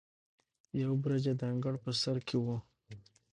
یو برج یې د انګړ په بر سر کې و.